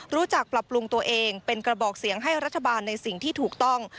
ปรับปรุงตัวเองเป็นกระบอกเสียงให้รัฐบาลในสิ่งที่ถูกต้อง